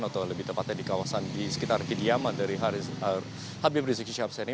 atau lebih tepatnya di kawasan di sekitar kediaman dari habib rizik sihabsah ini